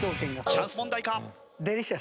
チャンス問題か？